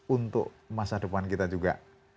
untuk masa depan kita juga